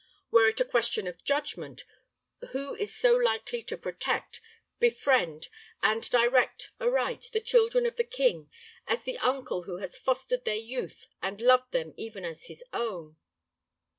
Were it a question of judgment who is so likely to protect, befriend, and direct aright the children of the king as the uncle who has fostered their youth, and loved them even as his own?